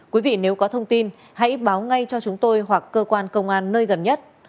quý vị nếu có thông tin hãy báo ngay cho chúng tôi hoặc cơ quan công an nơi gần nhất